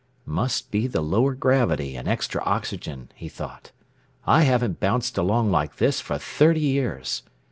Must be the lower gravity and extra oxygen, he thought. _I haven't bounced along like this for thirty years.